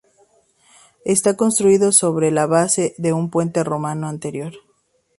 Está construido sobre la base de un puente romano anterior.